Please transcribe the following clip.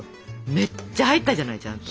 めっちゃ入ったじゃないちゃんと。